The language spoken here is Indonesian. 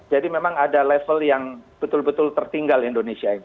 jadi memang ada level yang betul betul tertinggal indonesia ini